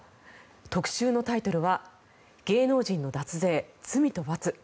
特集のタイトルは「芸能人の脱税罪と罰」。